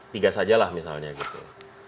tiga sajalah misalnya gitu